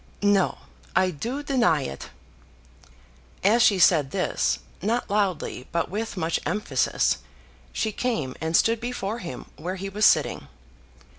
"No; I do deny it." As she said this, not loudly but with much emphasis, she came and stood before him where he was sitting.